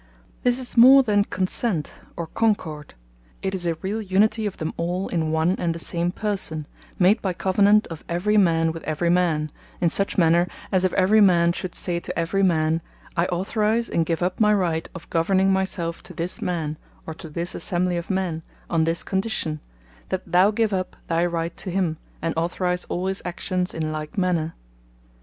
This is more than Consent, or Concord; it is a reall Unitie of them all, in one and the same Person, made by Covenant of every man with every man, in such manner, as if every man should say to every man, "I Authorise and give up my Right of Governing my selfe, to this Man, or to this Assembly of men, on this condition, that thou give up thy Right to him, and Authorise all his Actions in like manner."